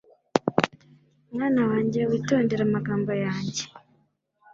mwana wanjye, witondere amagambo yanjye